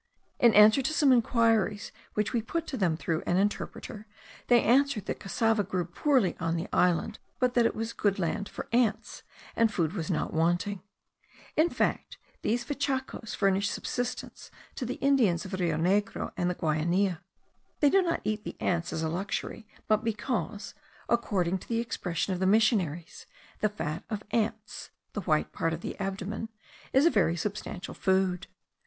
In answer to some enquiries which we put to them through an interpreter, they answered that cassava grew poorly on the island, but that it was a good land for ants, and food was not wanting. In fact, these vachacos furnish subsistence to the Indians of the Rio Negro and the Guainia. They do not eat the ants as a luxury, but because, according to the expression of the missionaries, the fat of ants (the white part of the abdomen) is a very substantial food.